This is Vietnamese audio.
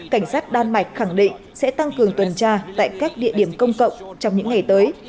cảnh sát đan mạch khẳng định sẽ tăng cường tuần tra tại các địa điểm công cộng trong những ngày tới